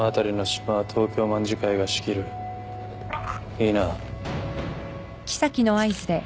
いいな？